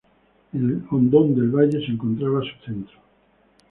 En el hondón del valle se encontraba su centro.